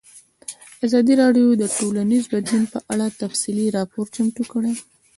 ازادي راډیو د ټولنیز بدلون په اړه تفصیلي راپور چمتو کړی.